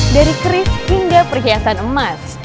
dari keris hingga perhiasan emas